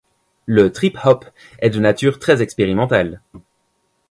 Le trip hop est de nature très expérimentale.